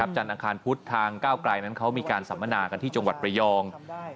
จันทร์อังคารพุธทางก้าวกลายนั้นเขามีการสัมมนากันที่จังหวัดระยอง